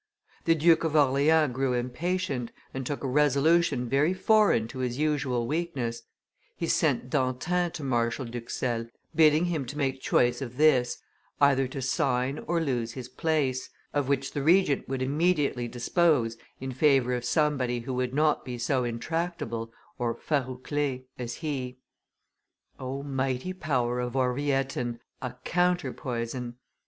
The Duke of Orleans grew impatient, and took a resolution very foreign to his usual weakness; he sent D'Antin to Marshal d'Huxelles, bidding him to make choice of this: either to sign or lose his place, of which the Regent would immediately dispose in favor of somebody who would not be so intractable (farouclae) as he. O, mighty power of orvietan (a counterpoison)!